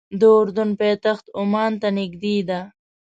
د اردن پایتخت عمان ته نږدې ده.